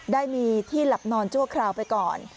ได้มีที่หลับนอนชั่วคราวไปก่อน